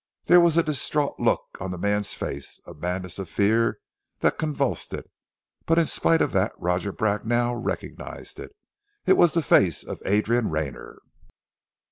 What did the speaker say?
There was a distraught look on the man's face, a madness of fear that convulsed it, but in spite of that Roger Bracknell recognized it. It was the face of Adrian Rayner.